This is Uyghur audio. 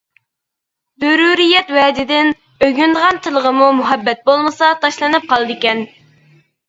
زۆرۈرىيەت ۋەجىدىن ئۆگىنىدىغان تىلغىمۇ مۇھەببەت بولمىسا تاشلىنىپ قالىدىكەن.